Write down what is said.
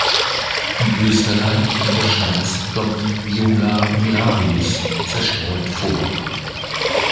In Österreich und der Schweiz kommt "Viola mirabilis" zerstreut vor.